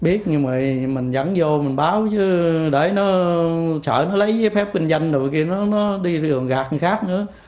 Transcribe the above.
biết nhưng mà mình dẫn vô mình báo chứ để nó sợ nó lấy phép kinh doanh rồi kìa nó đi gạt người khác nữa